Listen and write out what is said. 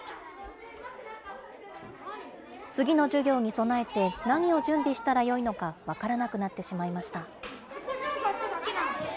次の授業に備えて、何を準備したらよいのか、分からなくなってしまいました。